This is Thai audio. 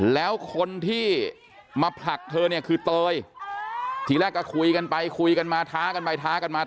แล้วคนที่มาผลักเธอเนี่ยคือเตยทีแรกก็คุยกันไปคุยกันมาท้ากันไปท้ากันมา